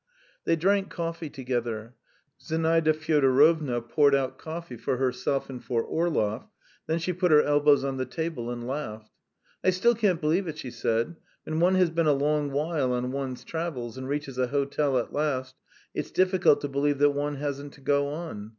They drank coffee together. Zinaida Fyodorovna poured out coffee for herself and for Orlov, then she put her elbows on the table and laughed. "I still can't believe it," she said. "When one has been a long while on one's travels and reaches a hotel at last, it's difficult to believe that one hasn't to go on.